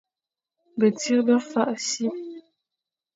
Betsir ba fakh si.